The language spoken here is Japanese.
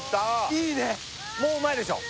いいねもううまいでしょ